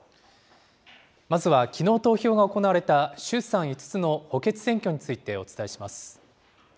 まずは、きのう投票が行われた、衆参５つの補欠選挙についてお伝えします。